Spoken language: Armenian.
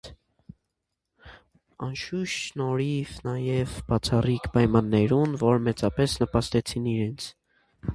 Անշուշտ շնորհիւ նաեւ բացառիկ պայմաններուն, որ մեծապէս նպաստեցին իրենց։